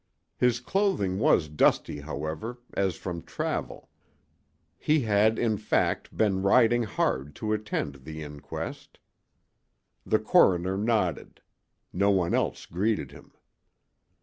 His clothing was dusty, however, as from travel. He had, in fact, been riding hard to attend the inquest. The coroner nodded; no one else greeted him.